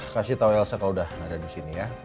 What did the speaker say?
kasih tau elsa kalau udah ada di sini ya